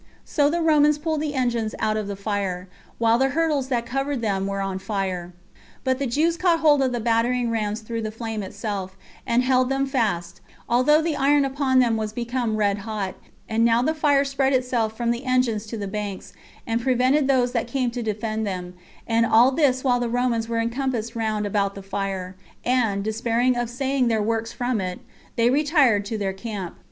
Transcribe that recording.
So the Romans pulled the engines out of the fire, while the hurdles that covered them were on fire; but the Jews caught hold of the battering rams through the flame itself, and held them fast, although the iron upon them was become red hot; and now the fire spread itself from the engines to the banks, and prevented those that came to defend them; and all this while the Romans were encompassed round about with the flame; and, despairing of saving their works from it, they retired to their camp.